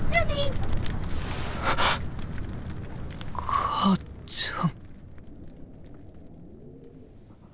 母ちゃん！